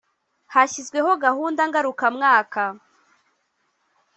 hashyizweho gahunda ngarukamwaka